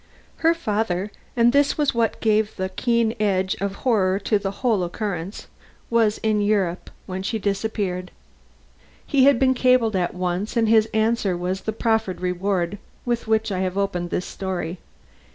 Her father and this was what gave the keen edge of horror to the whole occurrence was in Europe when she disappeared. He had been cabled at once and his answer was the proffered reward with which I have opened this history.